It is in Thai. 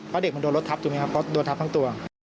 เพราะเด็กมันโดนรถทับจูงไหมครับ